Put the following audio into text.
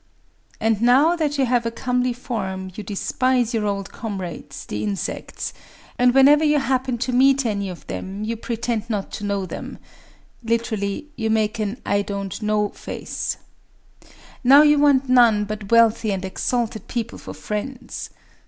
"And now that you have a comely form, you despise your old comrades, the insects; and, whenever you happen to meet any of them, you pretend not to know them [literally, 'You make an I don't know face']. Now you want to have none but wealthy and exalted people for friends...